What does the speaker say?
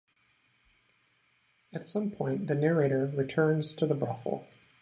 At some point the narrator returns to the brothel.